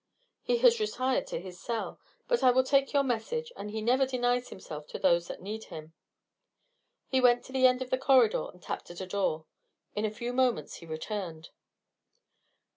"He has retired to his cell, but I will take your message; and he never denies himself to those that need him." He went to the end of the corridor and tapped at a door. In a few moments he returned.